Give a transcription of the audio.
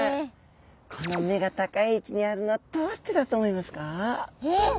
この目が高い位置にあるのどうしてだと思いますか？え！？